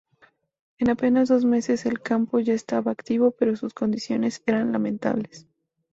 En apenas dos meses el campo ya estaba activo, pero sus condiciones eran lamentables.